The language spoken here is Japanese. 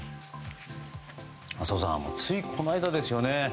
浅尾さんついこの間ですよね。